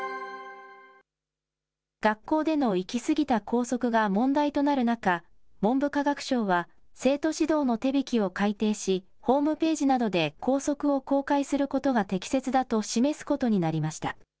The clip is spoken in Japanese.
学校での行き過ぎた校則が問題となる中、文部科学省は生徒指導の手引きを改訂し、ホームページなどで校則を公開することが適切だと示すことになりました。